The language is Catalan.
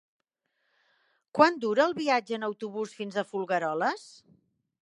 Quant dura el viatge en autobús fins a Folgueroles?